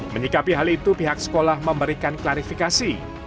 menyikapi hal itu pihak sekolah memberikan klarifikasi